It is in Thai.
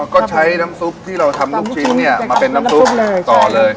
ก็ใช้น้ำซุปที่เราทำลูกชิ้นมาเป็นน้ำซุปต่อเลย